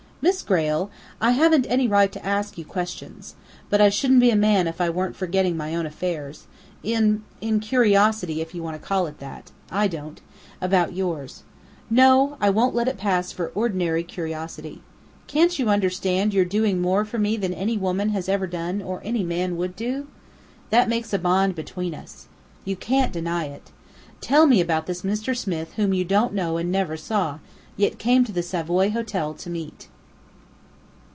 Miss Grayle, I haven't any right to ask you questions. But I shouldn't be a man if I weren't forgetting my own affairs in in curiosity, if you want to call it that (I don't!), about yours. No! I won't let it pass for ordinary curiosity. Can't you understand you're doing for me more than any woman ever has done, or any man would do? That does make a bond between us. You can't deny it. Tell me about this Mr. Smith whom you don't know and never saw, yet came to the Savoy Hotel to meet."